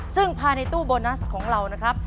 ซึ่งภายในตู้โบนัสของเรานะครับ